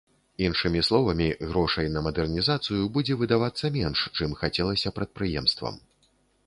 Іншымі словамі, грошай на мадэрнізацыю будзе выдавацца менш, чым хацелася прадпрыемствам.